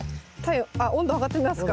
温度測ってみますか。